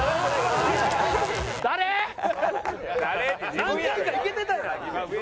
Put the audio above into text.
何回かいけてたやん。